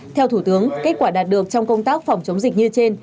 theo thủ tướng kết quả đạt được trong công tác phòng chống dịch như trên